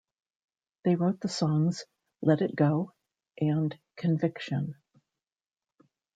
They wrote the songs "Let it Go" and "Conviction.